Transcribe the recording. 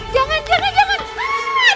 jangan jangan jangan